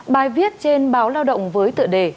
bài viết trên báo lao động với tựa đề